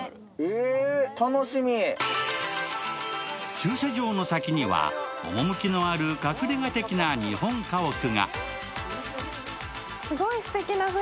駐車場の先には、趣のある隠れ家的な日本家屋が。